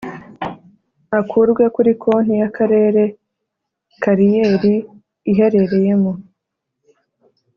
Akurwe kuri konti y’Akarere kariyeri iherereyemo